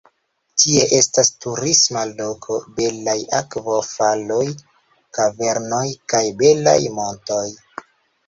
Tie estas turisma loko, belaj akvo-faloj, kavernoj kaj belaj montoj.